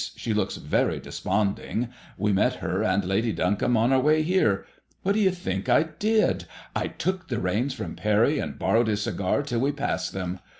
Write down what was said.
She looks very desponding. We met her and Lady Duncombe on our way here. What do you think I did ? I took the reins from Parry, and borrowed his cigar till we passed them.